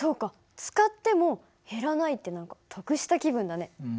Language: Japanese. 使っても減らないって何か得した気分だね。